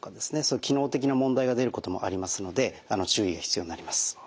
機能的な問題が出ることもありますので注意が必要になります。